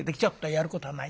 やることはない。